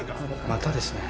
またですね。